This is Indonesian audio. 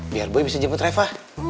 biar gue bisa jemput reva